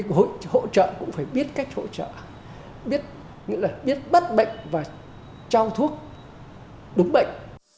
cái hỗ trợ cũng phải biết cách hỗ trợ biết bắt bệnh và trao thuốc đúng bệnh